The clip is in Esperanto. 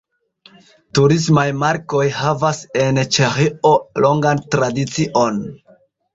Turismaj markoj havas en Ĉeĥio longan tradicion.